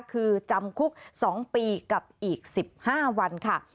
คือจำคุก๒ปีกับอีก๑๕วันค่ะ